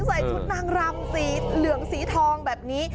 ใส่ชุดนางรำสีเหลืองสีทองแบบนี้